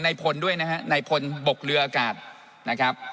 ในพลด้วยนะฮะนายพลบกเรืออากาศนะครับ